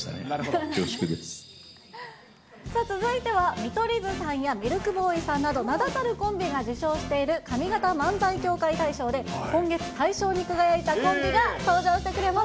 続いてはみとりずさんやミルクボーイさんなど、名だたるコンビが受賞している上方漫才協会大賞で、今月大賞に輝いたコンビが登場してくれます。